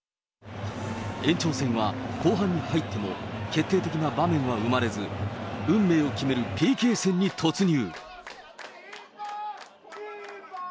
延長戦は、後半に入っても、決定的な場面は生まれず、運命を決めるＰＫ戦に突入。